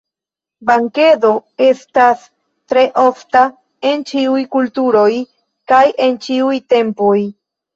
Bankedo estas tre ofta en ĉiuj kulturoj kaj en ĉiuj tempoj.